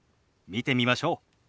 見てみましょう。